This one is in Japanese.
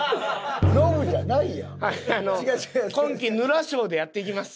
今期ヌラ照でやっていきます。